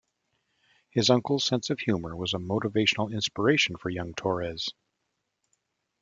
His uncle's sense of humor was a motivational inspiration for young Torres.